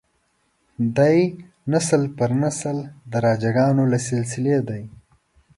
دی نسل پر نسل د راجه ګانو له سلسلې دی.